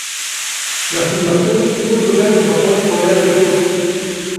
Las filmaciones tuvieron lugar en Japón y Corea del Sur.